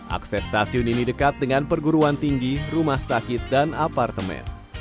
akses stasiun ini dekat dengan perguruan tinggi rumah sakit dan apartemen